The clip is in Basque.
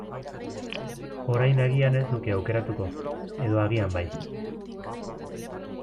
Orain agian ez nuke aukeratuko, edo agian bai.